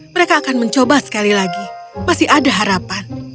mereka akan mencoba sekali lagi masih ada harapan